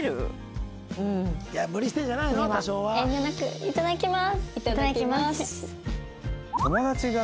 いただきます。